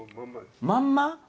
まんま？